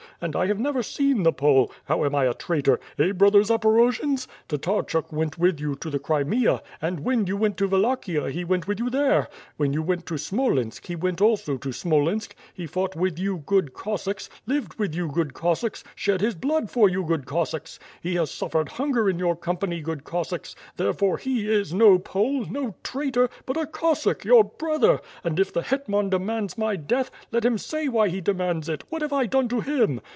And T have never seen the Pole — ^how am I a traitor? Kh, brother Zaporojians? Tatarchuk went with 136 ^ITH FIRE AND SWORD. you to the Crimea, and when you went to Wallachia, he went with you there; when you went to Smolensk he went also to Smolensk; he fought with you good ( ossacks, lived with you, good Cossacks, shed his blood for you, good C ossacks — he has suffered hunger in your company, good Cossacks, therefore he is no Pole, no traitor, but a Cossack, your brother, and if the hetnian demands my death, let him say why he demands it, what I have done to him.